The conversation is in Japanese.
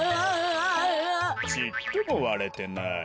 ちっともわれてない。